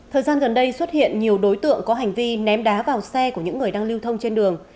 thời gian gần đây xuất hiện nhiều đối tượng có hành vi ném đá vào xe của những người đang lưu thông trên đường